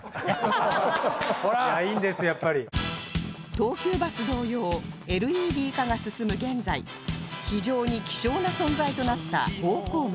東急バス同様 ＬＥＤ 化が進む現在非常に希少な存在となった方向幕